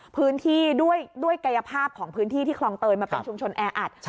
พื้นที่ด้วยกายภาพของพื้นที่ที่คลองเตยมันเป็นชุมชนแออัด